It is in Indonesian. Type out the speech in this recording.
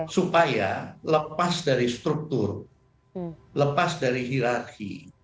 supaya lepas dari struktur lepas dari hirarki